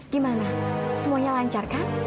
gimana semuanya lancar kan